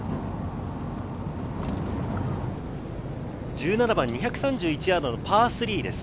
１７番、２３１ヤードのパー３です。